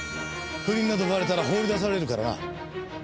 不倫などバレたら放り出されるからな。